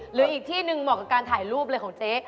หรืออีกที่หนึ่งเหมาะกับการถ่ายรูปเลยของเจ๊